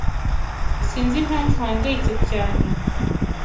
Sinzi impamvu uhangayitse cyane.